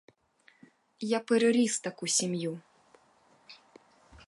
Я переріс таку сім'ю.